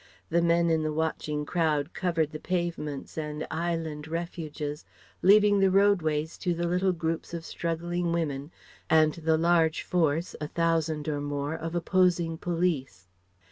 The men in the watching crowd covered the pavements and island "refuges," leaving the roadways to the little groups of struggling women, and the large force a thousand or more of opposing police.